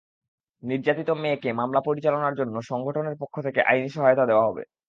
নির্যাতিত মেয়েকে মামলা পরিচালনার জন্য সংগঠনের পক্ষ থেকে আইনি সহায়তা দেওয়া হবে।